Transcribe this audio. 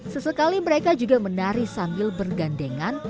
sesekali mereka juga menari sambil bergandengan